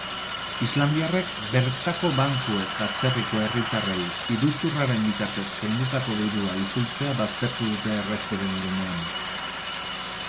Islandiarrek bertako bankuek atzerriko herritarrei iruzurraren bitartez kendutako dirua itzultzea baztertu dute erreferendumean.